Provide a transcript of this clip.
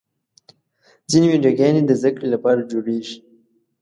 ځینې ویډیوګانې د زدهکړې لپاره جوړېږي.